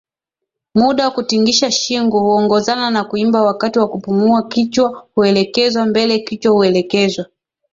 muda Kutingisha shingo huongozana na kuimba Wakati wa kupumua kichwa huelekezwa mbele Kichwa huelekezwa